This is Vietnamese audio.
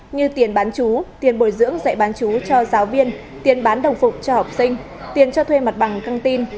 như tiền bán chú tiền bồi dưỡng dạy bán chú cho giáo viên tiền bán đồng phục cho học sinh tiền cho thuê mặt bằng căng tin